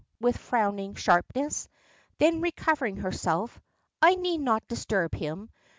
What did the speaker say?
with frowning sharpness. Then recovering herself. "I need not disturb him.